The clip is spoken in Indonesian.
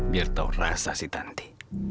biar tahu rasa si tanti